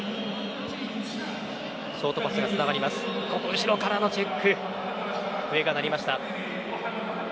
後ろからのチェックで笛が鳴りました。